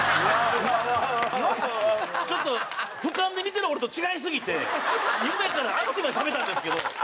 ちょっと俯瞰で見てる俺と違いすぎて夢からあっちゅう間に覚めたんですけど。